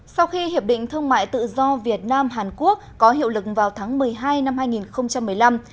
sau khi hiệp định thương mại tự do việt nam hàn quốc có hiệu lực vào tháng một mươi hai năm hai nghìn một mươi năm